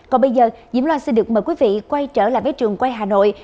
còn bây giờ diễm loa xin được mời quý vị quay trở lại với trường quay hà nội